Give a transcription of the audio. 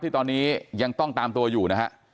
ที่ตอนนี้ยังต้องตามตัวอยู่นะฮะ